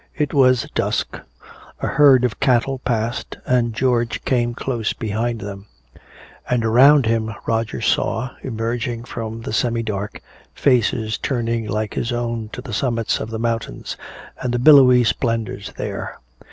It was dusk. A herd of cattle passed, and George came close behind them. And around him Roger saw, emerging from the semi dark, faces turning like his own to the summits of the mountains and the billowy splendors there.